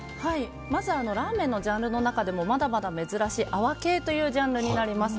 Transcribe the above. まず、ラーメンのジャンルの中でもまだまだ珍しい泡系というジャンルになります。